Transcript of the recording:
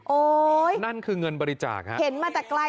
โอ้ยนั่นคือเงินบริจาคฮะเห็นมาจากกลาง